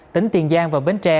tỉnh tiền giang và bến tre